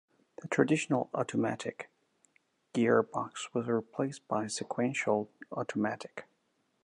The traditional automatic gearbox was replaced by a sequential automatic.